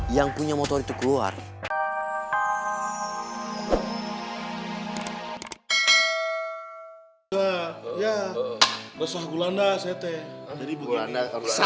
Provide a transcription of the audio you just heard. yang punya motor itu keluar